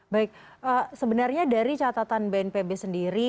baik sebenarnya dari catatan bnpb sendiri